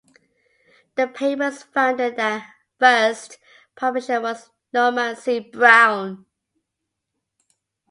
The paper's founder and first publisher was Norman C. Brown.